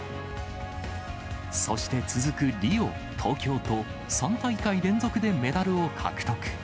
そして続くリオ、東京と、３大会連続でメダルを獲得。